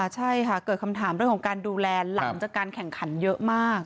ใช่ค่ะเกิดคำถามเรื่องของการดูแลหลังจากการแข่งขันเยอะมาก